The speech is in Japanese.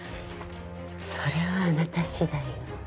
それはあなたしだいよ。